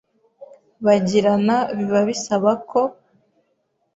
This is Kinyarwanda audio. bagirana biba bisaba ko